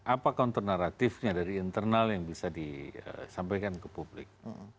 apa kontenaratifnya dari internal yang bisa disampaikan ke publik